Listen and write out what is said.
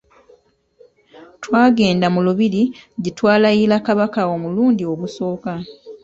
Twagenda mu lubiri gye twalaira kabaka omulundi ogusooka.